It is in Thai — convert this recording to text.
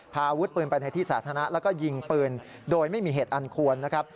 พาอาวุธปืนไปในที่สาธารณะแล้วก็ยิงปืนโดยไม่มีเหตุอันควรนะครับ